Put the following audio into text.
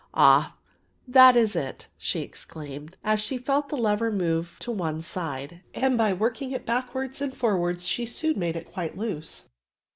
"Ah, that is it!" she exclaimed, as she felt the lever move to one side, and by working it backwards and forwards she soon made it quite loose.